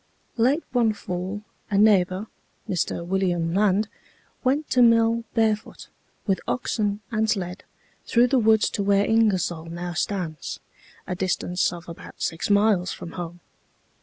"Late one fall a neighbor, Mr. William Land, went to mill barefoot, with oxen and sled, through the woods to where Ingersoll now stands, a distance of about six miles from home.